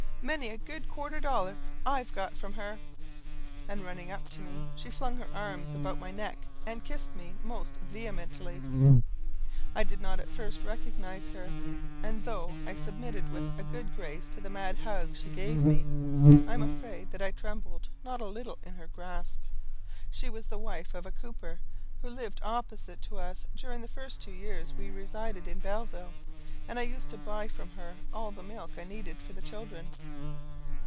Many a good quarter dollar I've got from her;" and, running up to me, she flung her arms about my neck, and kissed me most vehemently. I did not at first recognise her; and, though I submitted with a good grace to the mad hug she gave me, I am afraid that I trembled not a little in her grasp. She was the wife of a cooper, who lived opposite to us during the first two years we resided in Belleville; and I used to buy from her all the milk I needed for the children.